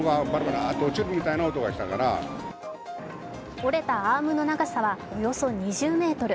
折れたアームの長さはおよそ２０ｍ。